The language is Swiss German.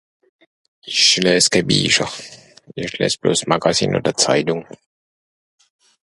esch läss kehn Bischer esch läss bloss Magasin oder Zeitung